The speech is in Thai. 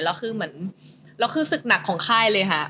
แล้วคือเหมือนเราคือศึกหนักของค่ายเลยค่ะ